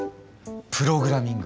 プログラミング。